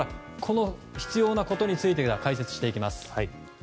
必要なことについて解説していきます。